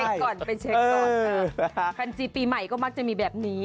ก่อนไปเช็คก่อนคันจีปีใหม่ก็มักจะมีแบบนี้